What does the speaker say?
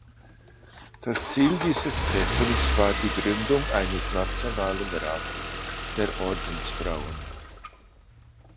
Das Ziel dieses Treffens war die Gründung eines nationalen Rates der Ordensfrauen.